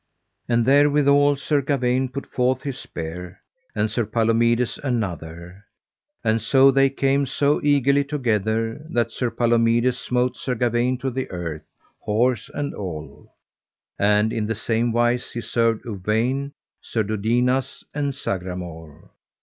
And therewithal Sir Gawaine put forth his spear, and Sir Palomides another; and so they came so eagerly together that Sir Palomides smote Sir Gawaine to the earth, horse and all; and in the same wise he served Uwaine, Sir Dodinas, and Sagramore.